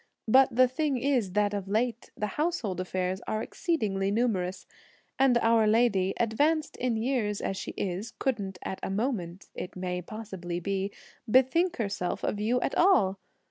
But the thing is that, of late, the household affairs are exceedingly numerous, and our lady, advanced in years as she is, couldn't at a moment, it may possibly be, bethink herself of you all!